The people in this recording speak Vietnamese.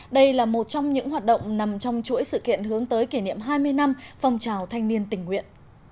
đây là một trong những hoạt động nằm trong chuỗi sự kiện hướng tới kỷ niệm hai mươi năm phong trào thanh niên tình nguyện